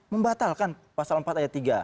membatalkan pasal empat ayat tiga